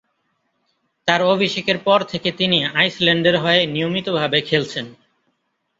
তার অভিষেকের পর থেকে তিনি আইসল্যান্ডের হয়ে নিয়মিতভাবে খেলছেন।